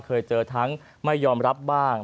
เคยเจอทั้งไม่ยอมรับบ้าง